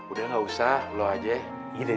udah gak usah lo aja ini